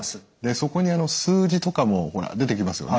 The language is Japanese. そこに数字とかも出てきますよね。